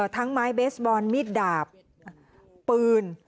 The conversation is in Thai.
ทั้งไม้เบสบอลมิดดาบปืน